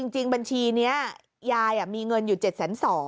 จริงบัญชีนี้ยายมีเงินอยู่๗๒๐๐